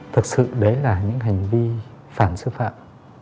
thực sự đấy là những hành vi phản sư phạm